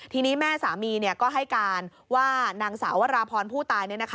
ทีนี้แม่สามีก็ให้การว่านางสาววราพรผู้ตาย